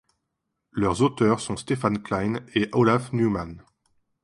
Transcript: Leurs auteurs sont Stefan Klein et Olaf Neumann.